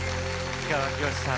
氷川きよしさん